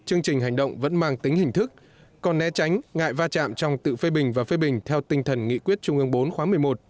chương trình hành động vẫn mang tính hình thức còn né tránh ngại va chạm trong tự phê bình và phê bình theo tinh thần nghị quyết trung ương bốn khóa một mươi một